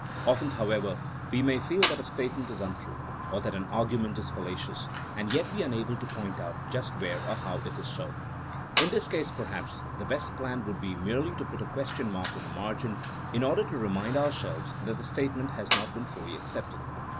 Often however we may feel that a statement is imtme, or that an argument is fallacious, and yet be unable to point out just where or how it is so. In this case perhaps the best plan would be merely to put a question mark in the margin in order to remind ourselves that the statement has not been fully accepted.